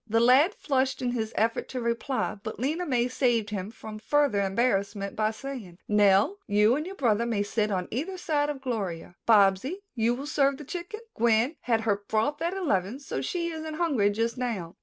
The lad flushed in his effort to reply, but Lena May saved him from further embarrassment by saying, "Nell, you and your brother may sit on either side of Gloria. Bobsy, will you serve the chicken? Gwen had her broth at eleven, so she isn't hungry just now."